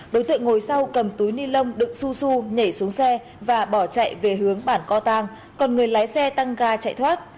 đối tượng ngồi sau cầm túi ni lông đựng su su nhảy xuống xe và bỏ chạy về hướng bản co tăng còn người lái xe tăng ga chạy thoát